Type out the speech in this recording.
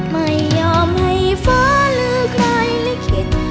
ไม่ยอมให้ฟ้าหรือใครลิขิต